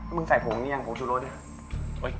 มึงใส่โผงนี่ยังโผงจูโรดนี่